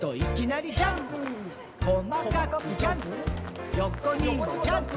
「こまかくジャンプ」「横にもジャンプ」